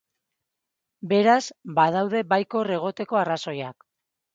Beraz, badaude baikor egoteko arrazoiak.